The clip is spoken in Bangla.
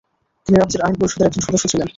তিনি রাজ্যের আইন পরিষদের একজন সদস্য ছিলেন।